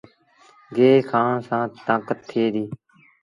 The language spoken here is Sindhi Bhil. گيه کآڻ سآݩ تآݩڪت ٿئي ديٚ۔